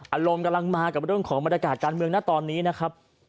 อารมณ์กำลังมากับบริษฐาตรการเมืองหน้าตอนนี้นะครับ